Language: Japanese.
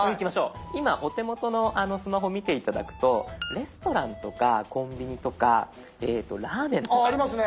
今お手元のスマホ見て頂くとレストランとかコンビニとかラーメンとか。